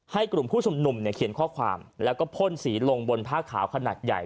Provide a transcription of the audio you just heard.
กลุ่มผู้ชุมนุมเนี่ยเขียนข้อความแล้วก็พ่นสีลงบนผ้าขาวขนาดใหญ่